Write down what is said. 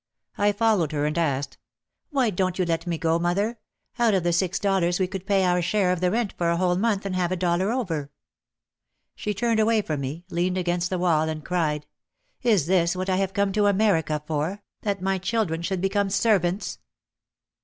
I followed her and asked, "Why don't you let me go, mother? Out of the six dollars we could pay our share of the rent for a whole month and have a dollar over. ,, She turned away from me, leaned against the wall and cried, "Is this what I have come to America for, that my children should become servants?"